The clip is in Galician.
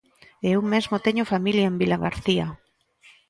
E eu mesmo teño familia en Vilagarcía.